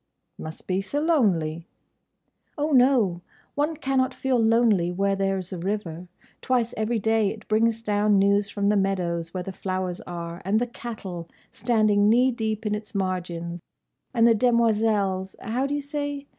"Must be so lonely." "Oh, no! One cannot feel lonely where there 's a river. Twice every day it brings down news from the meadows, where the flowers are, and the cattle, standing knee deep in its margin, and the demoiselles—how do you say?